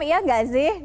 iya nggak sih